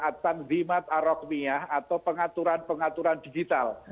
ata'n zimat aroqmiyah atau pengaturan pengaturan digital